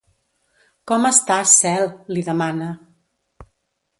Com estàs, Cel? —li demana.